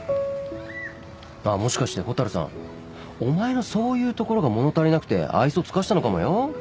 あっもしかして蛍さんお前のそういうところが物足りなくて愛想尽かしたのかもよ。